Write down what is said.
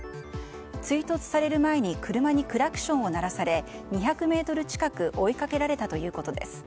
追突される前に車にクラクションを鳴らされ２００ｍ近く追いかけられたということです。